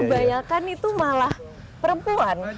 kebanyakan itu malah perempuan